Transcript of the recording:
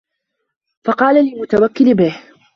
فَقَالَ لِلْمُتَوَكِّلِ بِهِ